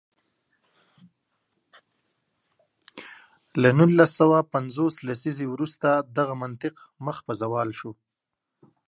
له نولس سوه پنځوس لسیزې وروسته دغه منطق مخ په زوال شو.